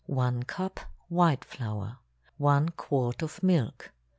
1 cup white flour. 1 quart of milk.